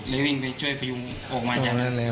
เลยวิ่งไปช่วยพระยุงออกมาจากนั้น